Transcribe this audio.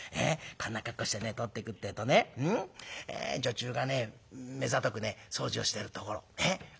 こんな格好してね通っていくってえとね女中がね目ざとくね掃除をしてると私を見つけるんだ。